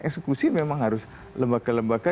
eksekusi memang harus lembaga lembaga